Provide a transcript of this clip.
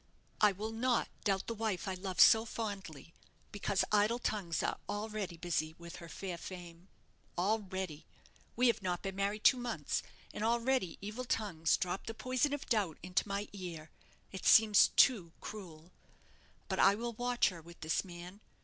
"I will not doubt the wife I love so fondly, because idle tongues are already busy with her fair fame. Already! We have not been married two months, and already evil tongues drop the poison of doubt into my ear. It seems too cruel! But I will watch her with this man.